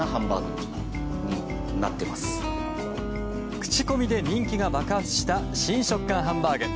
口コミで人気が爆発した新食感ハンバーグ。